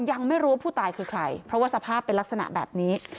ยังไม่รู้ว่าผู้ตายคือใครเพราะว่าสภาพเป็นลักษณะแบบนี้